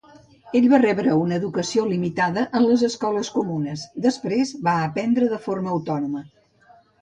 Ell va rebre una educació limitada en les escoles comunes, després va aprendre de forma autònoma.